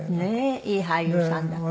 いい俳優さんだった。